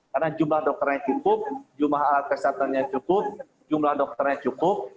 karena jumlah dokternya cukup jumlah alat kesehatannya cukup jumlah dokternya cukup